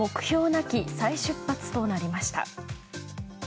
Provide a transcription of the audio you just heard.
なき再出発となりました。